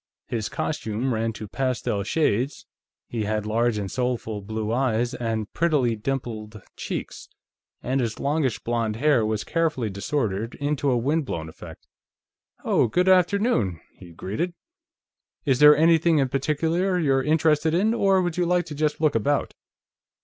His costume ran to pastel shades, he had large and soulful blue eyes and prettily dimpled cheeks, and his longish blond hair was carefully disordered into a windblown effect. "Oh, good afternoon," he greeted. "Is there anything in particular you're interested in, or would you like to just look about?"